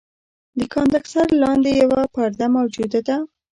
د کاندنسر لاندې یوه پرده موجوده ده.